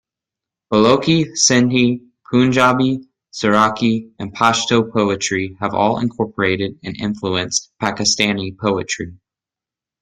Balochi, Sindhi, Punjabi, Seraiki, and Pashto poetry have all incorporated and influenced Pakistani poetry.